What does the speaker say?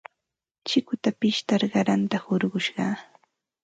Chikuta pishtar qaranta hurqushqaa.